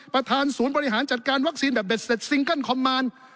ประธานศูนย์บริหารจัดการวัคซีนแบบเด็ดเสร็จซิงเกิ้ลคอมมาร